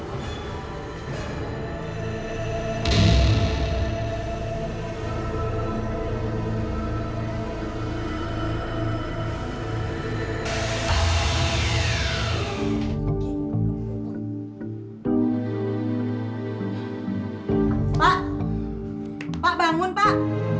pak pak bangun pak